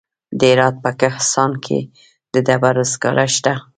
د هرات په کهسان کې د ډبرو سکاره شته.